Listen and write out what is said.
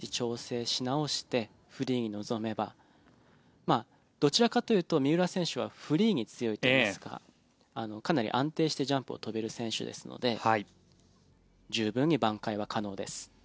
なので落ち着いてもう１日調整し直してフリーに臨めばどちらかというと三浦選手はフリーに強いといいますかかなり安定してジャンプを跳べる選手ですので十分に、ばん回は可能です。